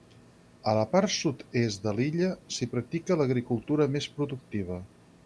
A la part sud-est de l'illa s'hi practica l'agricultura més productiva.